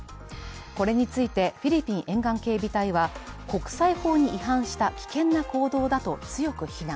これについてフィリピン沿岸警備隊は、国際法に違反した危険な行動だと強く非難。